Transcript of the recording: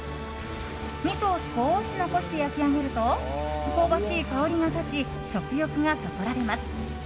みそを少し残して焼き上げると香ばしい香りが立ち食欲がそそられます。